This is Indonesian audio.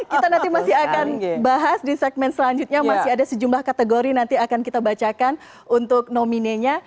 kita nanti masih akan bahas di segmen selanjutnya masih ada sejumlah kategori nanti akan kita bacakan untuk nominenya